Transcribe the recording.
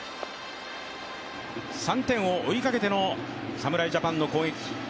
３点を追いかけての侍ジャパンの攻撃。